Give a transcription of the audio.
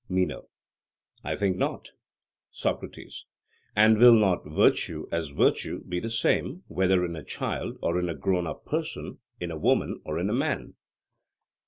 MENO: I think not. SOCRATES: And will not virtue, as virtue, be the same, whether in a child or in a grown up person, in a woman or in a man?